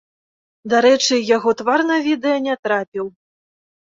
Дарэчы, яго твар на відэа не трапіў.